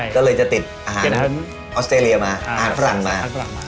ก็เลยจะติดอาหารออสเจลียมาอาหารฝรั่งมา